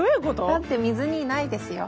だって水にいないですよ？